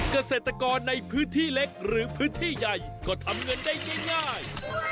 เกษตรกรในพื้นที่เล็กหรือพื้นที่ใหญ่ก็ทำเงินได้ง่าย